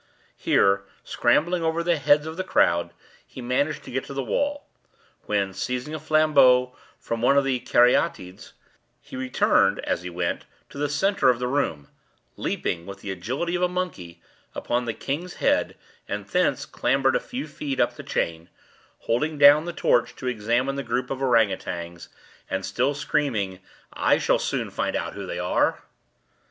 Here, scrambling over the heads of the crowd, he managed to get to the wall; when, seizing a flambeau from one of the Caryatides, he returned, as he went, to the centre of the room—leaped, with the agility of a monkey, upon the kings head, and thence clambered a few feet up the chain; holding down the torch to examine the group of ourang outangs, and still screaming: "I shall soon find out who they are!"